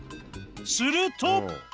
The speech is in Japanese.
すると！